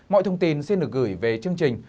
mọi thông tin xin được gửi về chương trình